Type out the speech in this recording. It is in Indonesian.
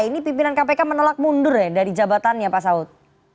ini pimpinan kpk menolak mundur ya dari jabatannya pak saud